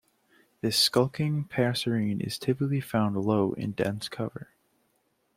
This skulking passerine is typically found low in dense cover.